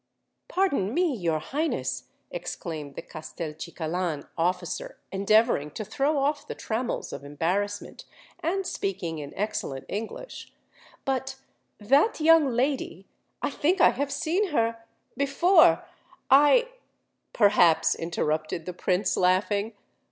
"Pardon me, your Highness," exclaimed the Castelcicalan officer, endeavouring to throw off the trammels of embarrassment, and speaking in excellent English; "but—that young lady—I think I have seen her——before——I——" "Perhaps," interrupted the Prince, laughing.